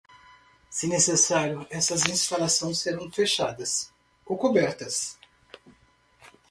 Se necessário, essas instalações serão fechadas ou cobertas.